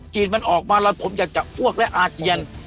มันออกมาแล้วผมอยากจะอ้วกและอาเจียน